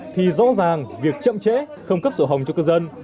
thì rõ ràng việc chậm trễ không cấp sổ hồng cho cư dân